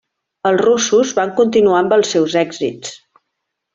Els russos van continuar amb els seus èxits.